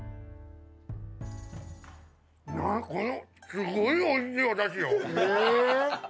すごいおいしいおだしよ！